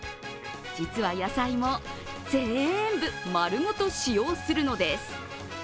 実は野菜も全部まるごと使用するのです。